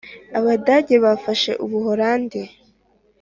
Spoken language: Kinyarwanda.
abadage bafashe ubuholandi!